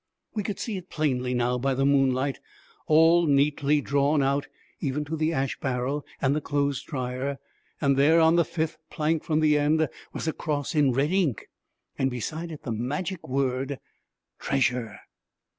We could see it plainly by the moonlight, all neatly drawn out, even to the ash barrel and the clothes dryer, and there, on the fifth plank from the end, was a cross in red ink, and beside it the magic word 'Treasure'!